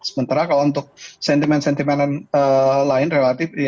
sementara kalau untuk sentimen sentimen lain relatif